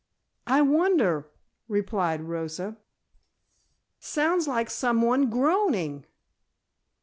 "I wonder," replied Rosa. "Sounds like someone groaning."